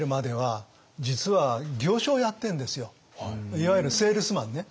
いわゆるセールスマンね。